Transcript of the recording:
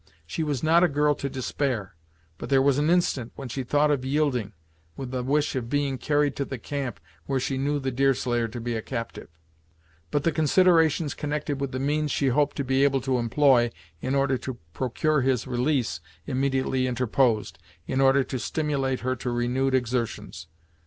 She was not a girl to despair, but there was an instant when she thought of yielding, with the wish of being carried to the camp where she knew the Deerslayer to be a captive; but the considerations connected with the means she hoped to be able to employ in order to procure his release immediately interposed, in order to stimulate her to renewed exertions.